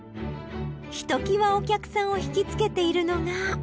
ひときわお客さんを引きつけているのが。